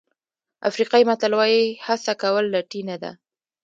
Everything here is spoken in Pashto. افریقایي متل وایي هڅه کول لټي نه ده.